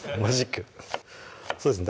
そうですね